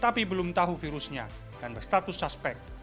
tapi belum tahu virusnya dan berstatus suspek